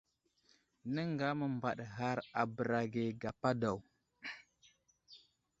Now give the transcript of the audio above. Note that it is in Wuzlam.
Nəŋga məmbaɗ ghar a bəra ge gapa daw.